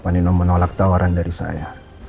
pak nino menolak tawaran dari saya